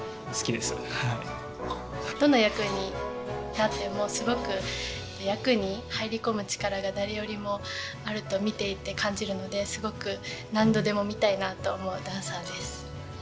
どの役になってもすごく役に入り込む力が誰よりもあると見ていて感じるのですごく何度でも見たいなと思うダンサーです。